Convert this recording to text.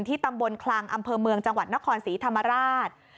ตำบลคลังอำเภอเมืองจังหวัดนครศรีธรรมราช